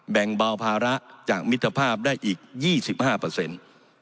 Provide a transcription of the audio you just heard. แบ่งเบาภาระจากมิตรภาพได้อีก๒๕เปอร์เซ็นต์